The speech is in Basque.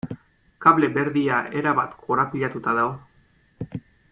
Kable berdea erabat korapilatuta dago.